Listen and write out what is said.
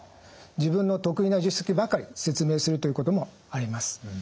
自分の得意な術式ばかり説明するということもあります。